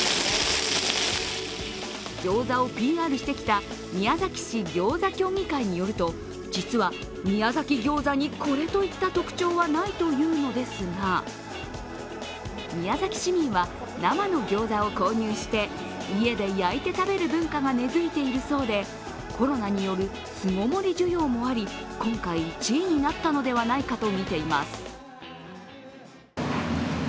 ギョーザをＰＲしてきた宮崎市ぎょうざ協議会によると実は、宮崎餃子にこれといった特徴はないというのですが宮崎市民は生のギョーザを購入して家で焼いて食べる文化が根づいているそうでコロナによる巣ごもり需要もあり今回１位になったのではないかとみています。